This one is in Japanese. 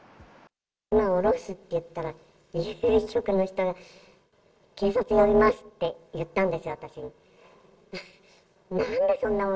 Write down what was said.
今下ろすって言ったら、郵便局の人が警察呼びますって言ったんですよ、私に。